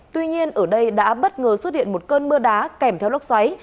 tuy nhiên ở đây đã bất ngờ xuất hiện một cơn mưa đá kèm theo lốc xoáy